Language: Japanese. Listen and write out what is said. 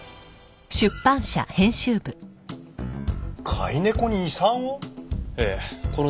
飼い猫に遺産を？